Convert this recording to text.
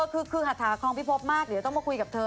คือหัตถาคลองพิพบมากเดี๋ยวต้องมาคุยกับเธอ